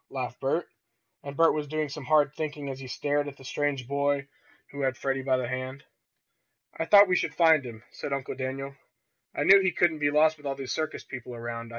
laughed Bert. And Bert was doing some hard thinking as he stared at the strange boy who had Freddie by the hand. "I thought we should find him," said Uncle Daniel. "I knew he couldn't be lost with all these circus people around.